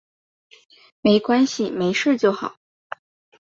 没关系，没事就好